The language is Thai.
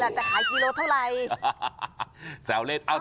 ช่างกิโลขายอะไรล่ะจะขายกิโลเท่าไหร่